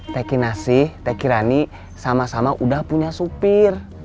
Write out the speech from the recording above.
teki nasih teki rani sama sama udah punya supir